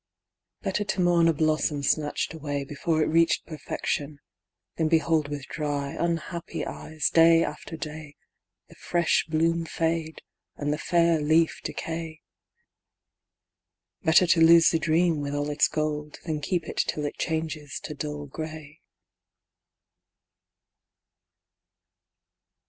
Better to mourn a blossom snatched away Before it reached perfection, than behold With dry, unhappy eyes, day after day, The fresh bloom fade, and the fair leaf decay. Better to lose the dream, with all its gold, Than keep it till it changes to dull grey.